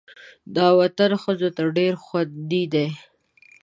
دا وطن ښځو ته ډېر خوندي دی.